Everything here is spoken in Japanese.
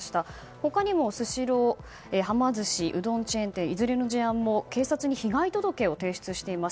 他にもスシロー、はま寿司うどんチェーン店いずれの事案も警察に被害届を提出しています。